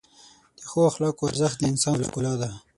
د ښو اخلاقو ارزښت د انسان ښکلا ده.